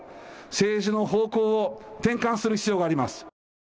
政治の方向を転換する必要があります。